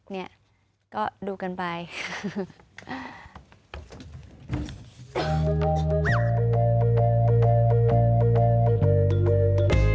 นี่ก็ดูกันไป